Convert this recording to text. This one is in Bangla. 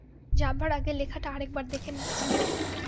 যাবার আগে লেখাটা আরেক বার দেখে নিচ্ছেন।